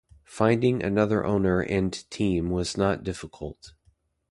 Finding another owner and team was not difficult.